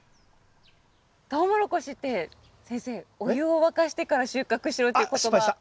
トウモロコシって先生お湯を沸かしてから収穫しろっていう言葉。